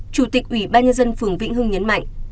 chủ tịch ủy ban nhân dân phường vĩnh hưng nhấn mạnh